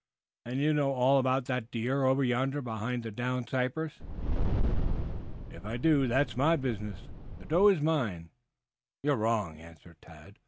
"And you know all about that deer over yonder behind the down cypress?" "If I do, that's my business. The doe is mine." "You are wrong," answered Tad.